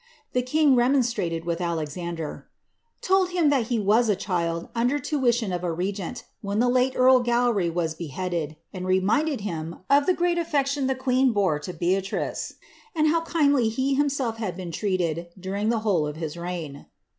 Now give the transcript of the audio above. The king remonstrated with Alexander, ^ told him that he was a child, under tuition of a regent, when the late earl Gowry was beheaded, and reminded him of the great affection the queen bore to Beatrice, and how kindly he himself had been treated during the whole of his reign."